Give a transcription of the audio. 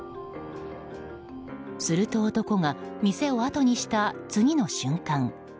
すると、男が店をあとにした次の瞬間。